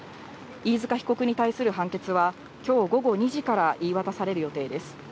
飯塚被告に対する判決は今日午後２時から言い渡される予定です。